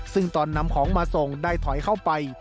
ซึ่งตอนนำของมาส่งได้ถอยเข้าไป